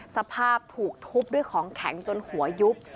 สภาพถูกทุบด้วยของแข็งจนหัวยุบ